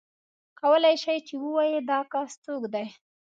کولای شې چې ووایې دا کس څوک دی.